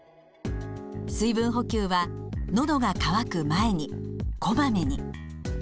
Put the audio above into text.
水分補給は「のどが渇く前に」「こまめに」。